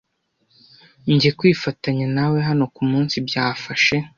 njye kwifatanya nawe hano kumunsi byafashe